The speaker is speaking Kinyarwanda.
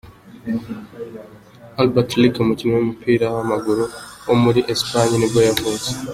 Albert Luque, umukinnyi w’umupira w’amaguru wo muri Espagne nibwo yavutse.